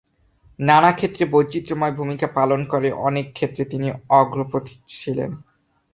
নানা ক্ষেত্রে বৈচিত্র্যময় ভূমিকা পালন করে অনেক ক্ষেত্রে তিনি অগ্রপথিক ছিলেন।